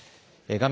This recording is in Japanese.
画面